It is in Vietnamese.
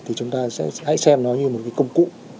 thì chúng ta sẽ hãy xem nó như một cái công cụ